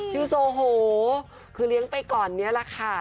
ที่โซโหให้เลี้ยงไปก่อนเนี้ยแหละค่ะ